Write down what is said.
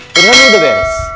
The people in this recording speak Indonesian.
pernahnya udah beres